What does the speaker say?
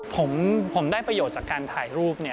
ผมได้ประโยชน์จากการถ่ายรูป